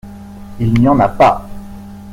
Il n’y en a pas !